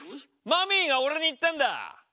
マミーが俺に言ったんだ。